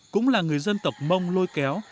cũng là người dân tộc mông lôi kéo